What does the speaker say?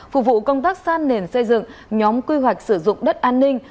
phục vụ công tác san nền xây dựng nhóm quy hoạch sử dụng đất an ninh